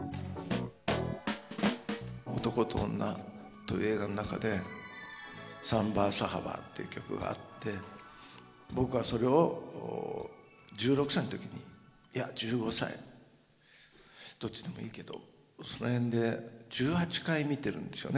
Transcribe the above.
「男と女」という映画の中で「サンバ・サラヴァ」という曲があって僕はそれを１６歳の時にいや１５歳どっちでもいいけどその辺で１８回見てるんですよね。